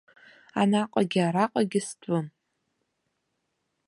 Анаҟагьы араҟагьы стәым.